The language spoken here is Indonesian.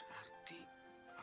oh kak fatima